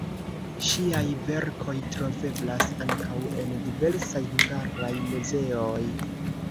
Ŝiaj verkoj troveblas ankaŭ en diversaj hungaraj muzeoj.